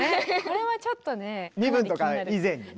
身分とか以前にね。